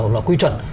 là quy chuẩn